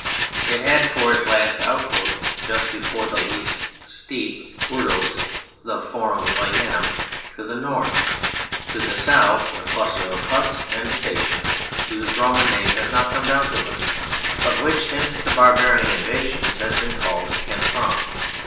It had for its last outpost just before the last steep Urdos, the Forum Ligneum, to the north ; to the south a cluster of huts and a station, whose Roman name has not come down to us, but which since the barbarian invasions has been called "Canfranc."